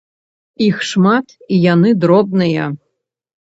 Іх шмат і яны дробныя.